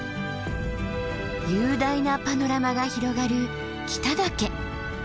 雄大なパノラマが広がる北岳。